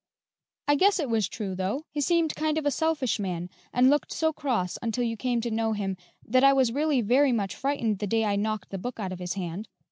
"I guess it was true, though. He seemed kind of a selfish man, and looked so cross until you came to know him, that I was really very much frightened the day I knocked the book out of his hand.